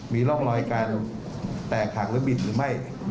มีร่องรอยการแตกหักหรือบิดหรือไม่